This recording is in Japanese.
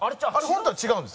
本当は違うんです。